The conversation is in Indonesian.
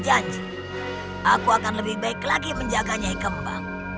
aku akan lebih baik lagi menjaganya i kembang